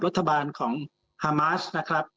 รัฐบาลของฮามาสนะครับ